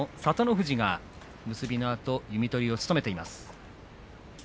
富士が結びのあと弓取りを務めています。